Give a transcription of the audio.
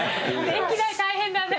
電気代大変だね。